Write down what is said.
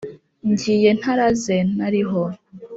Ngiye ntaraze nariho !